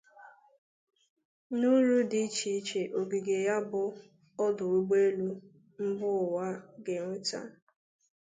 na uru dị icheiche ogige ya bụ ọdụ ụgbọelu mba ụwa ga-eweta